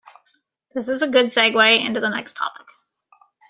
This is a good segway into the next topic.